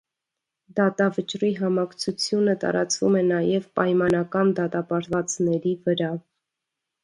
Դատավճռի համակցությունը տարածվում է նաև պայմանական դատապարտվածների վրա։